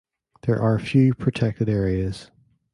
There are few protected areas.